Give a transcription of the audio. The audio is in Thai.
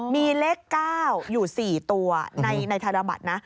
มีเลข๙อยู่๔ตัวในธนบัตรนะ